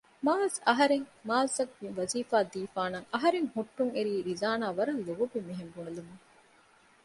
މާޒް! އަހަރެން މާޒްއަށް މިވަޒީފާ ދީފާނަށް އަހަރެން ހުއްޓުންއެރީ ރިޒާނާ ވަރަށް ލޯބިން މިހެން ބުނެލުމުން